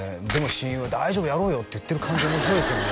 親友は大丈夫やろうよって言ってる感じ面白いですよね